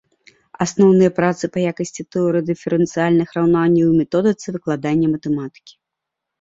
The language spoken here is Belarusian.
Асноўныя працы па якаснай тэорыі дыферэнцыяльных раўнанняў і методыцы выкладання матэматыкі.